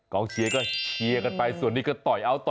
เชียร์ก็เชียร์กันไปส่วนนี้ก็ต่อยเอาต่อ